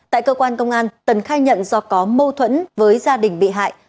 tại cơ quan công an tần khai nhận do có mâu thuẫn với gia đình bị hại